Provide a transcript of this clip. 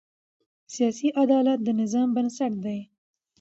سیاسي عدالت د نظام بنسټ دی